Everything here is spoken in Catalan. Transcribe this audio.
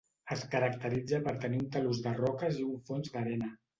Es caracteritza per tenir un talús de roques i un fons d’arena.